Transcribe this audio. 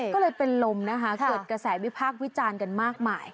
ก็เลยเป็นลมนะคะเกิดกระแสวิพากษ์วิจารณ์กันมากมาย